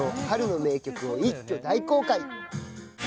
春の名曲を一挙大公開。